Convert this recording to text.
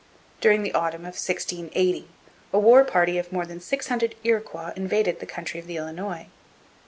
During the autumn of 1680 a war party of more than six hundred Iroquois invaded the country of the Illinois.